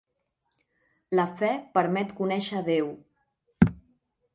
La fe permet conèixer Déu.